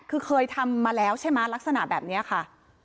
คือเคยทำมาแล้วใช่ไหมลักษณะแบบนี้ค่ะ